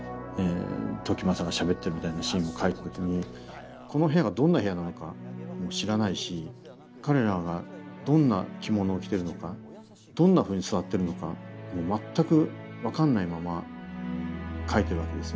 時政がしゃべってるみたいなシーンを書いた時にこの部屋がどんな部屋なのかも知らないし彼らがどんな着物を着てるのかどんなふうに座ってるのかもう全く分かんないまま書いてるわけですよ。